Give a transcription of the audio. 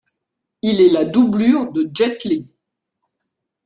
Il est la doublure de Jet Li.